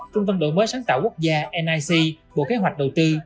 trung tâm đổi mới sáng tạo quốc gia nic bộ kế hoạch đầu tư